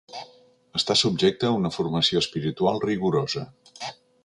Està subjecta a una formació espiritual rigorosa.